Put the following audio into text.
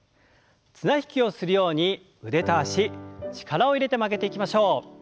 綱引きをするように腕と脚力を入れて曲げていきましょう。